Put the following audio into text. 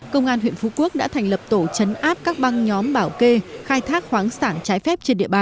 công an huyện phú quốc đã thành lập tổ chấn áp các băng nhóm bảo kê khai thác khoáng sản trái phép